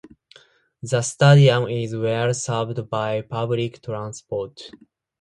The stadium is well served by public transport.